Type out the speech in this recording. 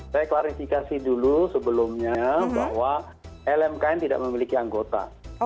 saya klarifikasi dulu sebelumnya bahwa lmkn tidak memiliki anggota